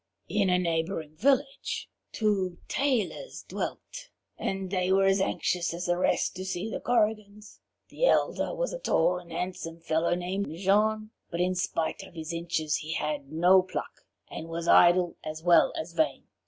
In a neighbouring village two tailors dwelt, and they were as anxious as the rest to see the Korrigans. The elder was a tall and handsome fellow named Jean, but in spite of his inches he had no pluck, and was idle as well as vain.